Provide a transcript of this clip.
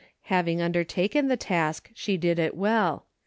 Having undertaken the task, she did it well.